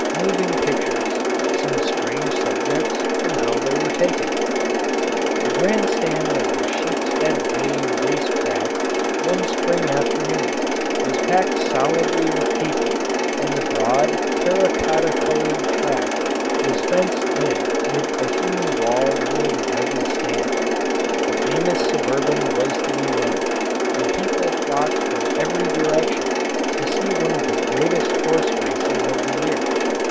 MOVING PICTURES Some Strange Subjects and How They Were Taken The grandstand of the Sheepshead Bay race track, one spring afternoon, was packed solidly with people, and the broad, terra cotta coloured track was fenced in with a human wall near the judges' stand. The famous Suburban was to be run, and people flocked from every direction to see one of the greatest horse races of the year.